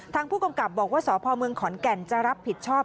ทางผู้กำกับบอกว่าสพเมืองขอนแก่นจะรับผิดชอบ